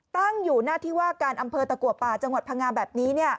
ตั้งอยู่หน้าที่ว่าการอำเภอตะกัวป่าจังหวัดพังงาแบบนี้